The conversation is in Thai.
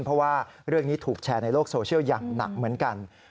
เพราะว่าเรื่องนี้ถูกแชร์ในโลกโซเชียลอย่างหนักเหมือนกัน